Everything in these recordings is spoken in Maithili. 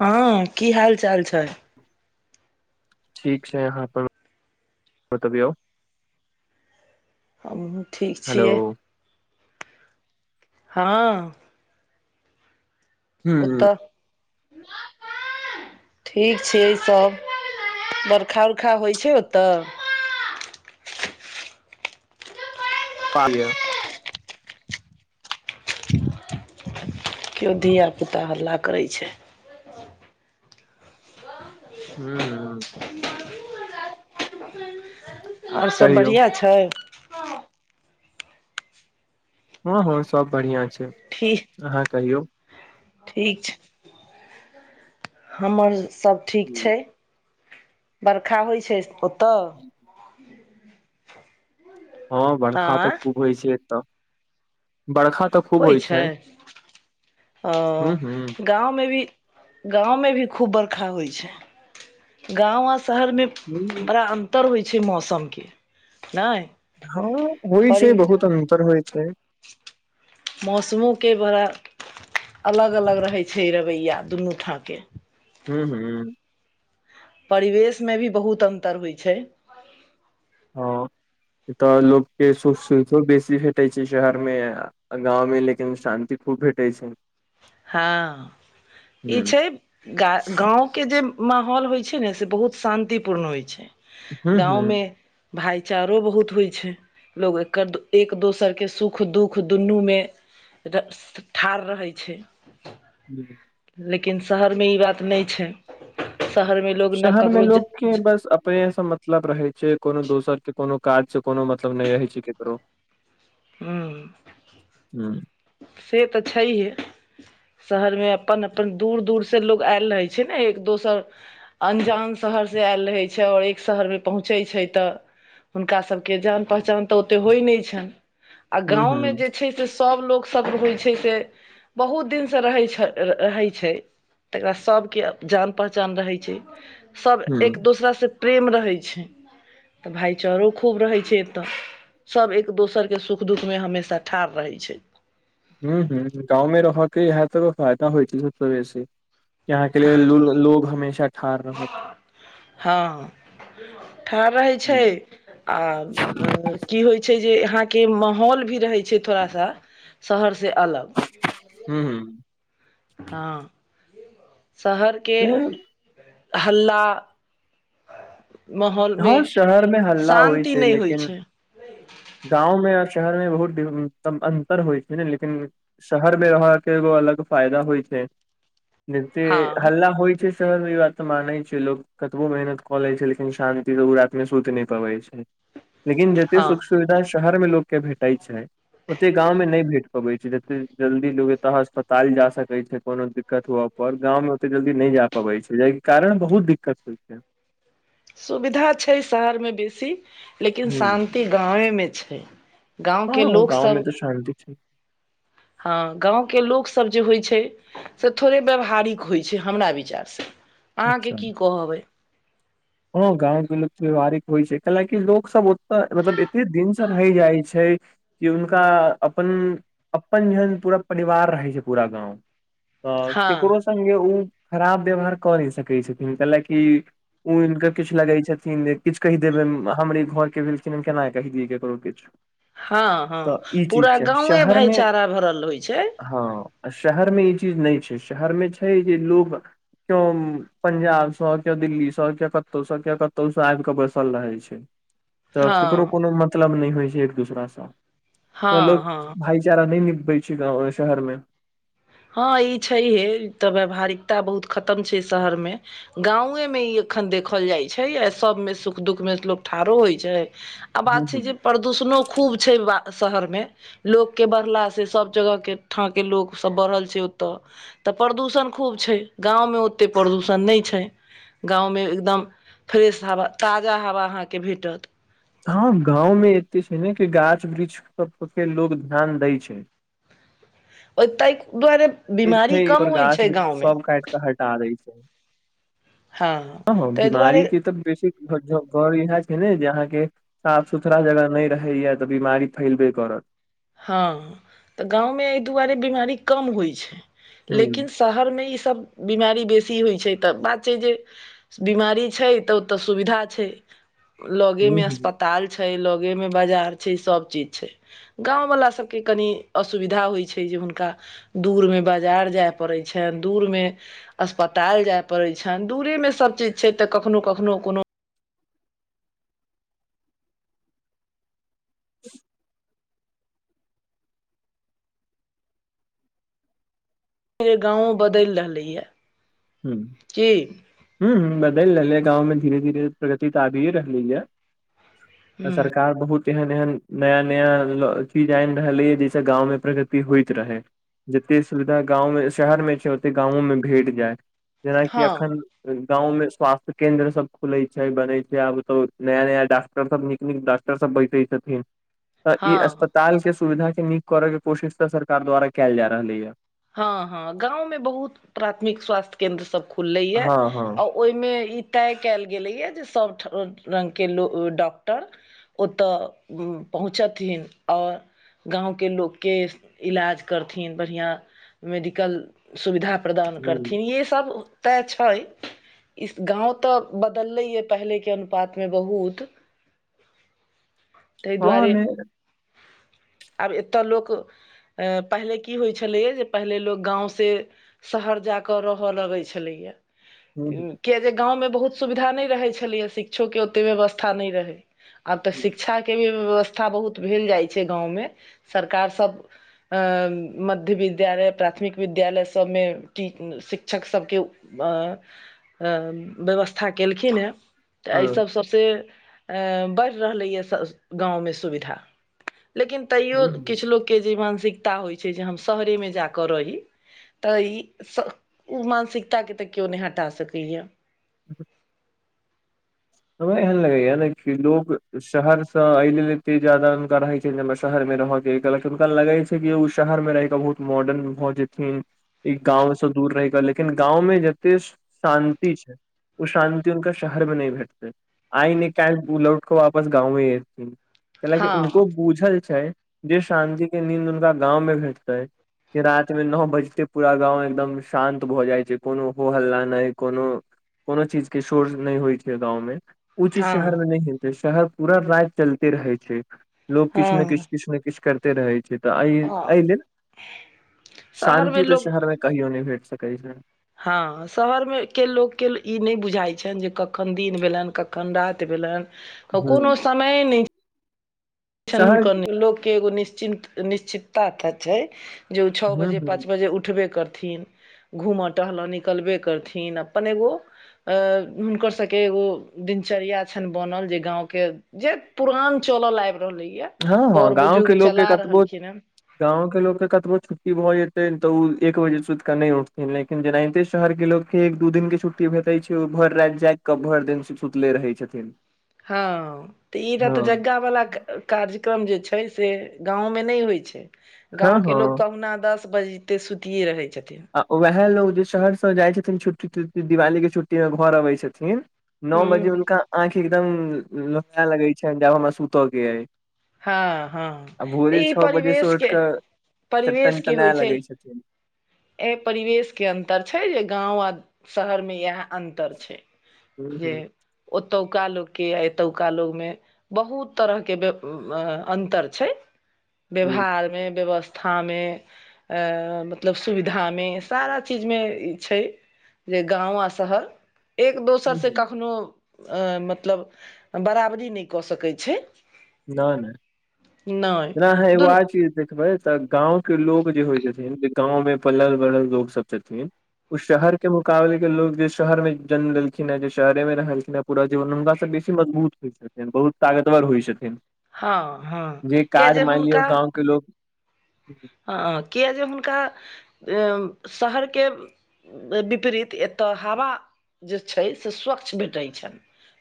हँ की हाल चाल छै? ठीक छै अहाँ अपन बतबियौ। हमहुँ ठीक हेलो छियै। हँ। ह ह ओतऽ [inaudible] ठीक छै सब बरखा उरखा होइ छै ओतऽ। [unintelligible] किओ धियापुता हल्ला करै छै। हुं हुं। आर सब कहियौ बढ़िआँ छै। हँ हँ सब बढ़िआँ छै। ठीक। अहाँ कहियौ? ठीक छै। हमर सब ठीक हम्म। छै बरखा होइ छै ओतऽ। हँ बरखा तऽ आँय खूब होइ छै एतऽ। बरखा तऽ खूब होइ छै ओ। ह ह गाँवमे भी गाँवमे भी खूब बरखा होइ छै गाँव आ शहरमे बड़ा अन्तर होइ छै मौसमके, नहि। हँ होइ छै परि बहुत अन्तर होइ छै। मौसमोके बड़ा अलग अलग रहैत छै रवैया दुनू ठाँ के। हू हू। परिवेशमे भी बहुत अन्तर होइ छै। हँ ए तऽ लोकके सुख सुविधो बेसी भेटैय छै शहर मे। गाँवमे लेकिन शान्ति खूब भेटैय छै। हँ ह ई छै ग गाँव के जे माहौल होइ छै ने से बहुत शान्ति पूर्ण होइ छै गाँव ह मे भाइचारो बहुत होइत छै। लोक एकर एक दोसरके सुख दुःख दुनूमे र ठाढ़ रहै छै। [unintelligible] लेकिन शहर मे ई बात नहि छै शहर मे लोग ने शहर मे ककरो ज लोक के ज बस अपनेस मतलब रहे छै कोनो दोसर के कोनो काज के कोनो मतलब नहि रहे छै केकरो। हु ह से तऽ छैहे। शहरमे अपन अपन दूर दूरसे लोक आयल रहै छै ने एक दोसर अन्जान शहरसे आयल रहै छै और एक शहरमे पहुँचै छै तऽ हुनका सभके जान पहचान तऽ ओते होइ नहि छनि। आ ह ह गाँवमे जे छै से सभ लोकसभ होइ छै से बहुत दिन से रहै छै र रहै छै। तकरा सबके जान पहचान रहय छैय, सब ह एक दोसरा से प्रेम रहै छैय त भाईचारो खूब रहय छैय एतऽ सब एक दोसर के सुख दुःखमे हमेशा ठाढ़ रहय छैय। हु -हु गाँवमे रहऽ के इएह त फायदा होइ छैय सबसे बेसी। अहाँके ल हँ लेल लोग हमेशा ठाढ़ रहत। हँ ठाढ़ रहैय छैय आ की होइ छैय जे अहाँके माहौल भी रहैय छैय थोड़ा सा शहर से अलग। हू। हँ। शहरके हल्ला माहौल मे हँ शहरमे हल्ला होइ शान्ति छैय नहि होइ लेकिन छै गाँवमे आ शहरमे बहुत अन्तर होइ छैय ने लेकिन शहरमे रहऽके एगो अलग फायदा होइ छैय। नहिते हँ हल्ला होइ छैय शहरमे इ बात त मानय छैय लोक कतबो मेहनत कऽ लय छैय लेकिन [unintelligible] सुति नय पबय छैय, लेकिन जेते हँ सुख सुविधा शहरमे लोकके भेटैय छैय ओते गाममे नहि भेट पबय छैय जते जल्दी लोग एतय हस्पताल जा सकय छैय कोनो दिक्कत हुअ पर गाँंवमे ओते जल्दी नय जा पबैय छैय यही कारण बहुत दिक्कत होइ छैय। सुविधा छैय शहरमे बेसी लेकिन ह शान्ति गावेमे छैय। गाँवके हँ गाँव में लोकसब तऽ शान्ति छै हाँ गाँवके लोकसब जे होइ छैय से थोड़े व्यवहारिक होइ छैय हमरा विचार से, अहाँके की कहब अइ। हाँ गाँंवके लोक व्यावहारिक होइ छैय [unintelligible] की लोक सब ओते मतलब एते दिन से रहय जाइ छैय कि हुनका अपन-अपन जेहन पूरा परिवार रहय छैय पूरा गाँव। तऽ हँ ककरो संगे उ खराब व्यवहार कऽ नय सकै छथिन तेंलकि उ हुनकर किछ लगैय छथिन किछ कहि देबिन हमरे घरके भेलखिन हम केना कहि दियै ककरो किछ। हाँ -हांँ पूरा गांवे भाईचारा भरल होइ छैय। हाँ आ शहरमे इ चीज नय छैय, शहरमे छैय जे लोक क्यों पजाब सऽ क्यों दिल्ली सऽ तए क्यो कतौ स, क्यो कतो स आबि कऽ बैसल रहय छैय त केकरो हँ कोनो मत लब नय होइ छैय एक दोसराँ सऽ मतलब हँ लोग हँ भाईचारा नय निभबैय छैय गाँव अ शहरमे। हाँ ई छैहे त व्यावहारिकता बहुत खतम छैय शहरमे। गाँवेंमे इ एखन देखल जाइ छैय या सबमे सुख दुःखमे लोक ठाड़ो होइ छैय आ हूँ बात हूँ छैय जे प्रदूषणो खूब छैय बा शहरमे। लोकके बढ़ला से सब जगहके ठाँ के लोक तब बढ़ल छैय ओतय त प्रदूषण खूब छैय गावंमे ओतेक प्रदूषण नय छैय। गाँवमे एकदम फ्रेश हवा ताजा हवा अहाँके भेटत। हाँ गाँंव में एते छैय ने कि गाछ वृक्ष पर ओते लोक ध्यान दैय छैय। ओ तय दुआरे बीमारी छै कम पर होइ गाछ छैय वृक्ष गाँवमे। सब काट हटा दैय छैय, हँ हांँ- हांँ ताहि दुआरे बीमारी के त बेसी [unintelligible] इहे छैय ने जे अहाँके साफ सुथड़ा जगह ने रहैया तऽ बिमारी फैलबे करत। हाँ तऽ गाँवमे ऐय दुआरे बीमारी कम होइ छैय हूँ लेकिन शहरमे इ सब बीमारी बेसी होइ छैय त बात छैय जे बीमारी छैय तऽ ओतऽ सुविधा छैय। लगे हूँ में हूँ अस्पताल छैय, लगे में बाजार छैय, सब चीज छैय। गांव वला सबके कनि असुविधा होए छै जे हुनका दूरमे बाजार जाय पड़ै छैन दूरमे अस्पताल जाय पड़े छैन, दूरे में सब चीज छै त कखनो- कखनो कोनो [inaudible] [unintelligible] गांवों बदैल रहलै यैं। हम्म। ‌हम्म-हम्म बदैल रहलैय गाँव में धीरे धीरे प्रगति तऽ आबिये रहले य, हूँ आ सर -कार बहुत एहन- एहन नया -नया ल चीज आनि रहलैय, जै स गाँव मे प्रगति होइत रहै। जते सुविधा गाँवों में शहरमे छै, ओते गाँवों मे भेट जाय। जेनाकि हँ एखन गाँवमें स्वास्थ्य केन्द्र सब खुलैत छै, बनै छै, आब तऽ नया- नया डाक् -टर सब-सब नीक- नीक डाक्टर सब बैठै छथिन। त ई हँ अस्पताल के सुविधा के नीक करय के कोशिश त सरकार द्वारा कैल जा रहलैय। हाँ- हाँ गांव में बहुत प्राथमिक स्वास्थ्य केंन्द्र सब खुललै यैं, हँ हँ अओ ओएमे ई तय कैल गेलैय, जे सब ठ रगं के लो डॉक्टर ओतऽ पहुँचथिन और गाँवके लोकके इलाज करथिन बढ़ियाँ मेडिकल सुविधा प्रदान ह करथिन, ये सब ओतैं छैय। इस गाँव तऽ बदलैया पहलेके अनुपातमे बहुत तय हँ दुआरे मे आब एतऽ लोक ए पहिले की हो छलै जे पहिले लोक गाँव से शहर जाकऽ रहऽ लगै छलैया ह किया जे गाँवमे बहुत सुविधा नहि रहै छलैए, शिक्षोके ओते व्यवस्था नहि रहै। आब त शिक्षा के भी व्यवस् -था बहुत भेल जाइ छै गाँव में, सरकार सब अँ मध्य वि द्यालय, प्राथमिक विद्यालय, सबमे शिक्षक सबके अँ अ व्यवस्था केलखिन हेँ तऽ एहि ह सब स से ए बढ़ रहलैय गाँवमे सुविधा लेकिन तैयो ह ह किछ लोग के जे मानसिकता होइ छै जे, हम शहरे में जाकऽ रहि, तऽ ई उ मानसिकता के तऽ केओ नहि हटा सकैया। उहूं हमरा एहन लगै या ने कि लोग, शहर स अइ लेल एते ज्यादा हुनका रहै के हमरा शहर मे रह के कयलाकि हुनका लगे छै कि, उ शहर मे रहिक बहुत मॉडर्न भऽ जेथिन। ई गाँंव से दूर रहि क, लेकिन गाँंव में जते शान्ति छै उ शान्ति हुनका शहर में नहि भेट आइ ने काल्हि उ लौट कऽ वापस गाँवे एथिन ऐ ला कि उनको हँ बूझल छै जे शान्ति के नींद हुनका गाँंव मे भेटतै। की राति मे नौ बजते पूरा गाँंव एकदम शान्त भऽ जाइ छै, कोनो हो हल्ला नहि कोनो कोनो चीज के शोरज नहि होइ छैल गाँव मे, उ चीज शहर हँ मे नहि हेतै, शहर पूरा राति चलते रहै छै। लोक किछु ने हँ किछु, किछु ने किछु करिते रहै छै। तऽ अय हँ एहि लेल, शहरमे शान्ति तऽ लोक शहर मे कहियो नहि भेट सकै छै। हँ शहरमे के लोकके ई नहि बुझाइ छनि, जे कखन दिन भेलनि कख खन राति भेलनि, ह कोनो समये नहि छन शहर हुनको लोक के एगो निश्चिन्त निश्चिन्ता त छै। जे ओ छओ ह बजे ह पाँच बजे उठबे करथिन। घूमय टहलय निकलबे करथिन अपन एगो अ हुनकर सबके एगो दिनचर्या छनि बनल जे गाँंवके जे पुरान चलल आयब रहले ये। हँ हँ गाँंव के लोकके कतबो हन गाँंव के लोग त कतबो छुट्टी भऽ जेतेै तऽ उ एक बजे से सुतिकऽ नइ उठथिन लेकिन जेनाहिते शहर के लोग कि एक दू दिन के छुट्टी भेटैत छै वो भर रायत जाग क भरि दिन सुतले रहै छथिन। हँ तऽ ई त तऽ हँ रतजगावला के कार्यक्रम जे छै से गाँंव में नहि होइ छै हँ गाँंव के हँ लोग कहुना दस दस बजते सुतिेये रहै छथिन। आ वैह लोग जे शहर से जाइ छथिन छुट्टी तुट्टी दिवाली के छुट्टी मे घर अबै छथिन। नओ बजे हूँ हुनका आँखि एकदम लोके लगैत छनि जे आब हमरा सुतय के अइ। हँ हँ आ तऽ भोरे ई छओ बजे से उठि परिवेशके कऽ त परिवेश के होइ टनटनाय छै? लगै छथिन एहि परिवेश के अन्तर छै, जे गाँव आ शहरमे इएह अंतर छै, हूं जे हूं ओतौका लोग के य एतौका लोग मे बहुत तरह के अन्तर छै हूं व्यवहारमे व्यवस्था था में अ मतलब सुविधा मे सारा चीज मे ई छै। जे गाँव आ शहर एक दोसरसँ कखनोहु मतलब बराबरी नहि कऽ सकै छै। नहि [unintelligible] नहि नहि जे ह एगो दुन आर चीज देखबै। तऽ गाँव के लोक जे होइ छथिन जे गाँंव मे पलल बढ़ल लोक सब छथिन। ओ शहर के मुकाबले के लोग जे शहर मे जन्म लेलखिन हे जे शहरे में रहलखिन हे। पूरा जीवन हुनकासँ बेसी मजबूत होइ छथिन, बहुत तागतवर होइ छथिन। हँ हँ जे किया काज माइन लियौ गाँव के लोक हँँ किए जे हुनका अम शहरके विपरीत एतय हवा जे छै, से स्वच्छ भेटै छै।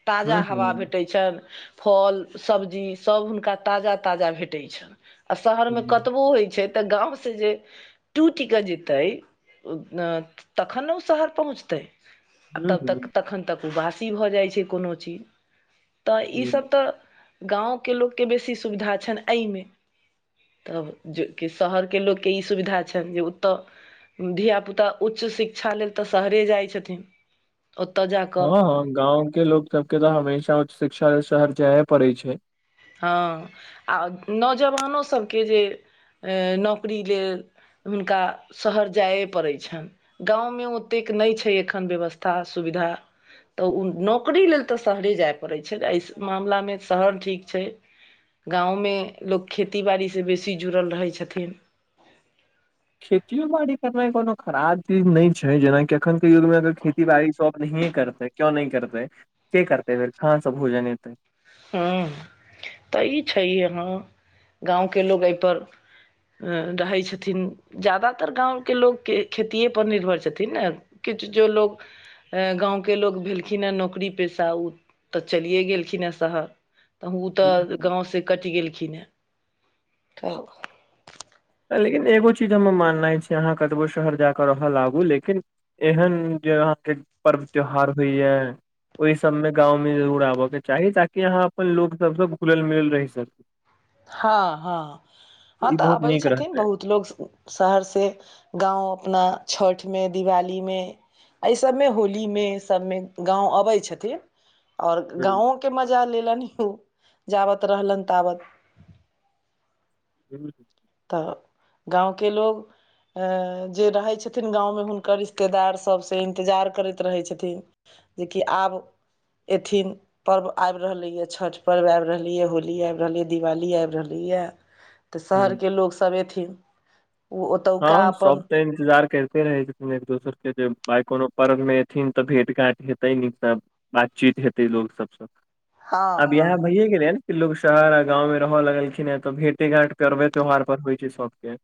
ताजा हम्म हवा हम्म भेटै छन फल सब्जी सभ हुनका ताजा ताजा भेटै छनि आ शहरमे हम्म कतबो होइत छै? तऽ गावसँ जे टू टिकट जेतै तखन ने ओ शहर पहुँचतै? आ तब तक हम्म तखन तक बासी भऽ जाइ छै कोनो चीज? तऽ हम्म। ईसभ तऽ गाँवके लोकके बेसी सुविधा छनि एहिमे, तब जे कि शहरके लोककेँ ई सुविधा छेन। जे उ त धियापुता उच्च शिक्षा लेल तऽ शहरे जाइत छथिन? ओतऽ जा कऽ हां हां गाँंव के लोग सबके तऽ हमेशा उच्च शिक्षा शहर जाये पड़े छै! हँ आ नौजवानो सभके जे नौकरी लेल। हुनका शहर जाइए पड़ै छैन। गाँवमे ओतेक नहि छै एखन व्यवस्था सुविधा तऽ ओ नौकरी लेल तऽ शहरे जाय पड़ैत छै एहि मामलामे शहर ठीक गाँवमे लोक खेती बाड़ीसँ बेसी जुड़ल रहै छथिन! खेतियो बाड़ी करनाइ कोनो खराब चीज नहि छै जेनाकि अखनके युगमे अगर खेती बाड़ी सभ नहिए करतै। क्यो नहि करतेै के करतै फेर कहानस भोजन हतै। हँ तऽ ई छै याँ गाँवके लोकोग एहिपर रहेत छथिन जादातर गाँवके लोकके खेतिएपर निर्भर छथिन न। किछु जो लोग गाँंव के लोग भेलखिन हे नौकरी पसा उ तऽ चलिये गेलखिन हे। शहर तऽ उ तऽ हम्म। गाँ से कटि गेलखिन हेँ तऽ। लेकिन एगो चीज हम माननाइ छी अहाँ कतबो शहर जा कऽ रहल आगू लेकिन एहन जे अहाँके पर्व त्यौहार होइए। ओहि सबमें गाँवमें जरूर आबय के चाही ताकि यहाँ अपन लोको सबसँ घुलल मिलल रहि सकी। हँ-हँ-हँ ई तऽ बहुत अबै नीक छथिन रहतै बहुत लोग स शहरसँ गाँव अपना छठिमे दिवालीमे। एहि सभमे होलीमे सभमे गाँव अबैत छथिन। ओर हुँ, गाँो के मजा लेलनि ह ओ जाबत रहलनि ताबत ह [unintelligible] तऽ गाँवके लोक अ जे रहै छथिन गाँवमे हुनकर रिश्तेदार सभ सँ इन्तजार करैत रहै छथिन। जेकि आब अथिन। पर्व आबि रहलैए छठि पर्व आबि रहलैए, होली आबि रहलैए, दिवाली आबि रहलैए। तऽ हुँ, शहरके लोक सभ अयथिन। ओ ओतुका हँ अपन सब तऽ इन्तजार करते रहे। एक दोसर के जेाय कोनो पर्व मे एथिन तऽ भेट घाट हेतै नीक सब। बातचीत हेतै लोकोग सबसँ हँ अब हँ यहाँ भैए गेले। लोग शहर आ गाँंवं रहय लगलखिन हे तऽ भेटे घाट करवे त्यौहार पर होइ छै सबके।